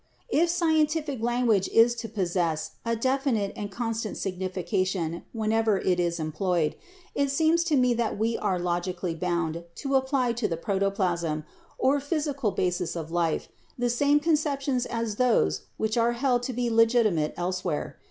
"If scientific language is to possess a definite and con stant signification whenever it is employed, it seems to me that we are logically bound to apply to the protoplasm, or physical basis of life, the same conceptions as those which are held to be legitimate elsewhere.